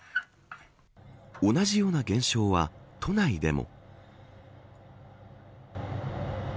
同じような現象は都内でも。